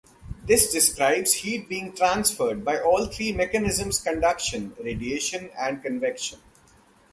This describes heat being transferred by all three mechanisms-conduction, radiation, and convection.